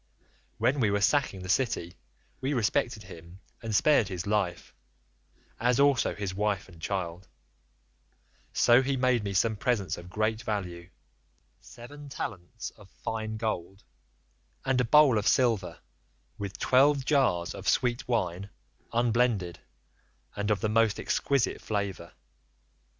When we were sacking the city we respected him, and spared his life, as also his wife and child; so he made me some presents of great value—seven talents of fine gold, and a bowl of silver, with twelve jars of sweet wine, unblended, and of the most exquisite flavour.